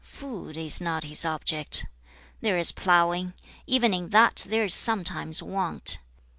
Food is not his object. There is plowing; even in that there is sometimes want.